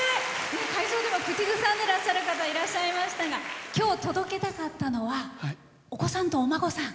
会場でも口ずさんでる方いらっしゃいましたが今日、届けたかったのはお子さんとお孫さん。